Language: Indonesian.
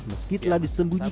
meskipun telah disembunyikan